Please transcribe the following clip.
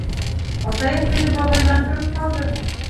Атайым теге бабай менән тороп ҡалды.